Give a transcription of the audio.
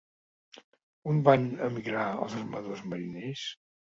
On van emigrar els armadors i mariners?